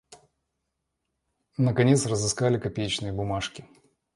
Наконец, разыскали копеечные бумажки.